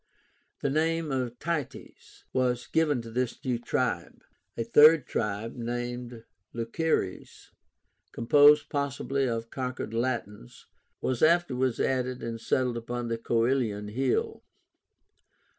The name of TITIES was given to this new tribe. A third tribe, named LUCERES, composed, possibly, of conquered Latins, was afterwards added and settled upon the COELIAN HILL.